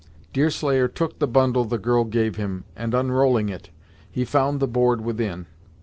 Deerslayer took the bundle the girl gave him, and unrolling it, he found the board within.